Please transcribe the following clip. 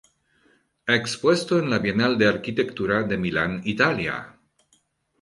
Ha expuesto en la Bienal de arquitectura de Milán, Italia.